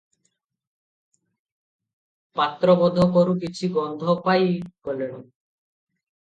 ପାତ୍ର ବୋଧ କରୁଁ କିଛି ଗନ୍ଧ ପାଇ ଗଲେଣି ।